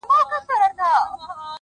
هره هڅه د راتلونکي تخم دی’